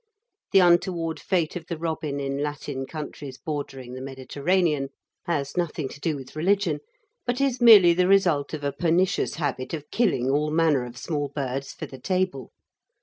The untoward fate of the robin in Latin countries bordering the Mediterranean has nothing to do with religion, but is merely the result of a pernicious habit of killing all manner of small birds for the table.